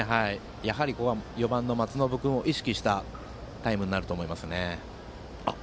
やはり、ここは４番の松延君を意識したタイムになると思いますね。